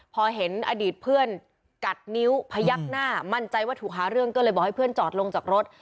พอเห็นอดีตเพื่อนกัดนิ้วพยักหน้ามั่นใจว่าถูกหาเรื่องก็เลยบอกให้เพื่อนจอดลงจากรถ